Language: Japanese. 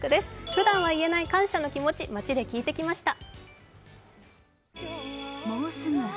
ふだんは言えない感謝の気持ち、街で聞いてきました。